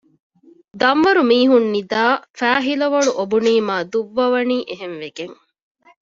ދަންވަރު މީހުން ނިދައި ފައިހިލަވަޅު އޮބުނީމާ ދުއްވަވަނީ އެހެން ވެގެން